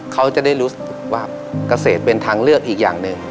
เขาจะได้รู้สึกว่าเกษตรเป็นทางเลือกอีกอย่างหนึ่ง